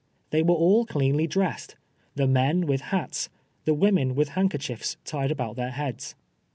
They were all cleanly dressed — the men with hats, the wo men with handkerchiefs tied about their lieads.